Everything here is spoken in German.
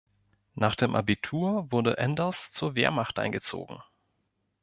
Nach dem Abitur wurde Enders zur Wehrmacht eingezogen.